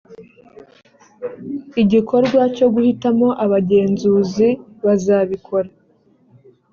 igikorwa cyo guhitamo abagenzuzi bazabikora